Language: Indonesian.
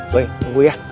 doi tunggu ya